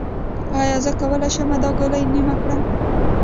ایا زه کولی شم دا ګولۍ نیمه کړم؟